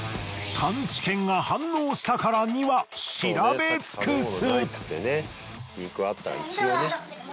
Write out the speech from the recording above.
探知犬が反応したからには調べつくす！